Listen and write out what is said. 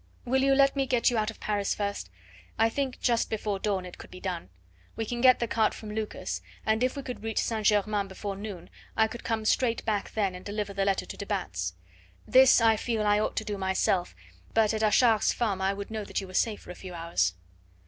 Will you let me get you out of Paris first? I think just before dawn it could be done. We can get the cart from Lucas, and if we could reach St. Germain before noon, I could come straight back then and deliver the letter to de Batz. This, I feel, I ought to do myself; but at Achard's farm I would know that you were safe for a few hours."